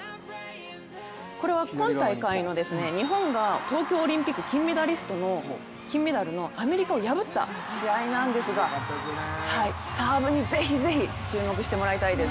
これは今大会の日本が東京オリンピック金メダルのアメリカを破った試合なんですがサーブに是非、是非注目してもらいたいです。